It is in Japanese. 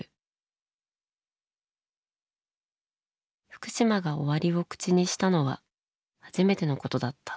福島が「終わり」を口にしたのは初めてのことだった。